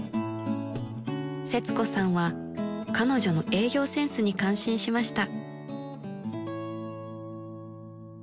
［せつこさんは彼女の営業センスに感心しました］